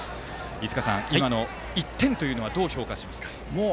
飯塚さん、今の１点はどう評価しますか。